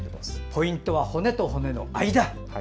ポイントは骨と骨の間。